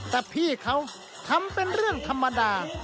แต่พี่เขาทำเป็นเรื่องธรรมดา